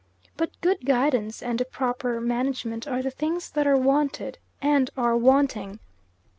But good guidance and proper management are the things that are wanted and are wanting.